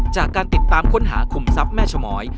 จากการติดตามค้นหาคุมทรัพย์แม่ชมอย